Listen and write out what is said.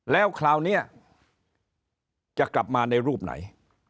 แล้วคราวนี้จะกลับมาในรูปไหน